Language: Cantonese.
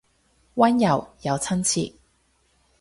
溫柔又親切